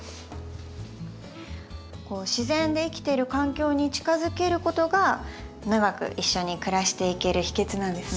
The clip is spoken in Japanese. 自然で生きてる環境に近づけることが長く一緒に暮らしていける秘けつなんですね。